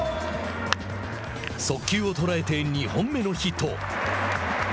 速球を捉えて、２本目のヒット。